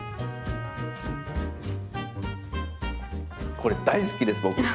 これ大好きです僕。